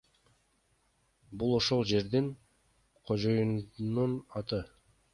Бул ошол жердин кожоюнунун аты.